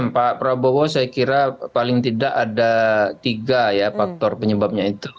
pak prabowo saya kira paling tidak ada tiga ya faktor penyebabnya itu